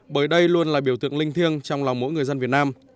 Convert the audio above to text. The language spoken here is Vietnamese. bởi đây luôn là biểu tượng linh thiêng trong lòng mỗi người dân việt nam